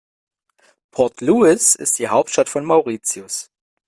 Port Louis ist die Hauptstadt von Mauritius.